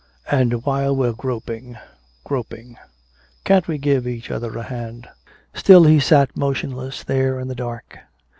And while we're groping, groping, can't we give each other a hand?" Still he sat motionless there in the dark.